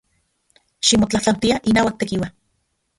Ximotlajtlauati inauak Tekiua.